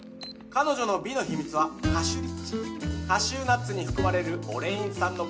「彼女の美の秘密はカシュリッチ」「カシューナッツに含まれるオレイン酸のパワーで」